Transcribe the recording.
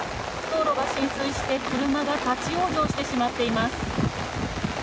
道路が浸水して、車が立ち往生してしまっています。